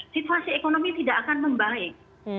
situasi ekonomi tidak akan membaik